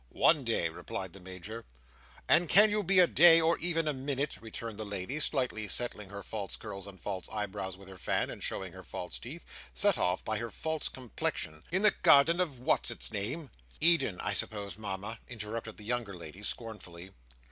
"One day," replied the Major. "And can you be a day, or even a minute," returned the lady, slightly settling her false curls and false eyebrows with her fan, and showing her false teeth, set off by her false complexion, "in the garden of what's its name." "Eden, I suppose, Mama," interrupted the younger lady, scornfully.